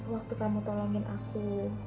waktu kamu tolongin aku